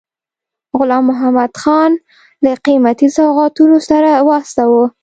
غلام محمدخان له قیمتي سوغاتونو سره واستاوه.